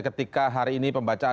ketika hari ini pembacaan